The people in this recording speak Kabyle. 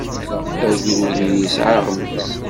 Agrud-nni yesɛa aɣmis.